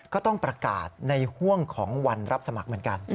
ก็ต้องประกาศในห่วงของวันรับสมัครเหมือนกัน